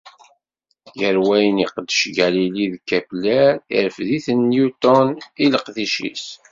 Gar wayen iqdec Galili d Kepler, irfed-iten Newton i leqdic-is.